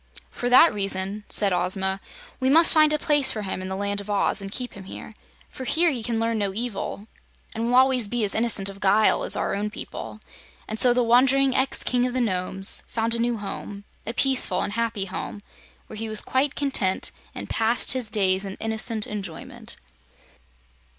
"For that reason," said Ozma, "we must find a place for him in the Land of Oz, and keep him here. For here he can learn no evil and will always be as innocent of guile as our own people." And so the wandering ex King of the Nomes found a new home, a peaceful and happy home, where he was quite content and passed his days in innocent enjoyment.